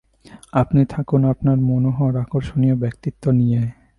আপনি থাকুন আপনার মনোহর, আকর্ষণীয় ব্যক্তিত্ব নিয়ে।